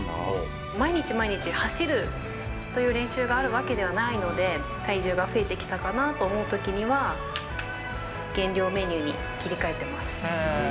毎日毎日走るという練習があるわけではないので、体重が増えてきたかなと思うときには、減量メニューに切り替えてます。